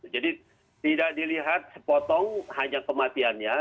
jadi tidak dilihat sepotong hanya kematiannya